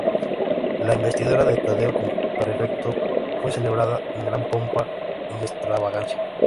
La investidura de Taddeo como Prefecto fue celebrada con gran pompa y extravagancia.